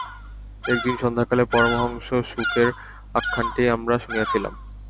একদিন সন্ধ্যাকালে পরমহংস শুকের আখ্যানটি আমরা শুনিয়াছিলাম।